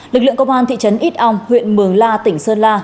lực lượng công an thị trấn ít ong huyện mường la tỉnh sơn la